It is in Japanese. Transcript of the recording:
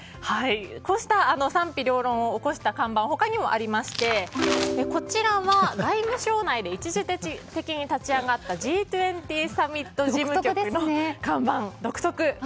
こうした賛否両論を起こした看板他にもありましてこちらは外務省内で一時的に立ち上がったＧ２０サミット事務局の看板、独特。